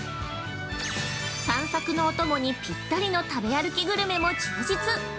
散策のお供にぴったりの食べ歩きグルメも充実。